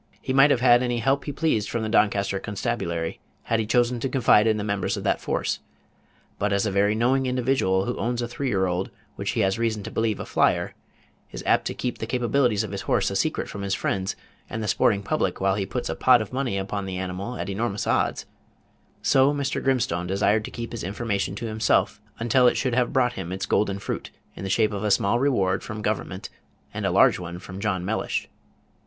He might have had any help he pleased from the Doncaster constabulary, had he chosen to confide in the members of that force; but as a very knowing individual who owns a three year old which he has reason to believe "a flyer" is apt to keep the capabilities of his horse a secret from his friends and the sporting public while he puts a "pot" of money upon the animal at enormous odds, so Mr. Grimstone desired to keep his information to himself until it should have brought him its golden fruit, in the shape of a small reward from government and a large one from John Mellish.